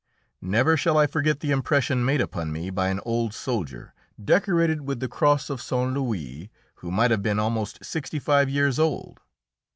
] Never shall I forget the impression made upon me by an old soldier, decorated with the cross of St. Louis, who might have been about sixty five years old.